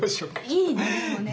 いいね